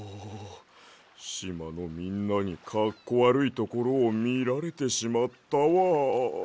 しまのみんなにかっこわるいところをみられてしまったわ。